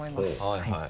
はいはい。